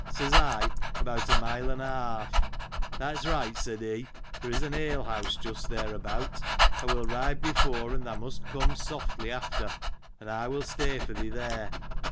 Says I, about a mile and a half. " That's right," said he. " There is an ale house just there about ; I will ride before, and thou must come softly after, and I will stay for thee, there."